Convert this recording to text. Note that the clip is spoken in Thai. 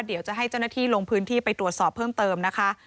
เดี๋ยวจะให้เจ้าหน้าที่ลงพื้นที่ไปตรวจสอบเพิ่มเติมนะคะ